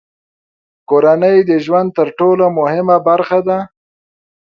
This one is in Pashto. کورنۍ د ژوند تر ټولو مهمه برخه ده.